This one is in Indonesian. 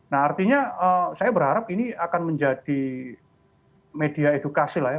nah artinya saya berharap ini akan menjadi media edukasi lah ya